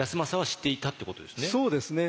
そうですね